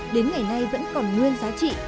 đến ngày nay vẫn còn nguyên giá trị